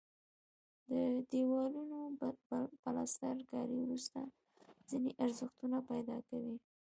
د دیوالونو پلستر کاري وروسته ځینې ارزښتونه پیدا کوي.